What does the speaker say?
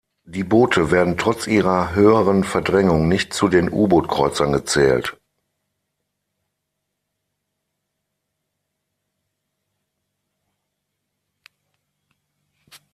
Die Boote werden trotz ihrer höheren Verdrängung nicht zu den U-Boot-Kreuzern gezählt.